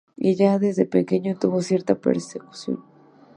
Y ya desde pequeño tuvo cierta repercusión.